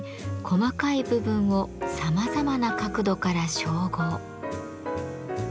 細かい部分をさまざまな角度から照合。